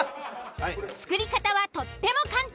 作り方はとっても簡単。